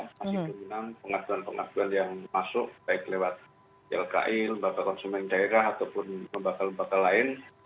masih dominan pengaduan pengaduan yang masuk baik lewat ylki lembaga konsumen daerah ataupun lembaga lembaga lain